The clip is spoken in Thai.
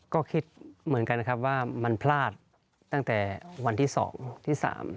ก็คิดเหมือนกันครับว่ามันพลาดตั้งแต่วันที่๒ที่๓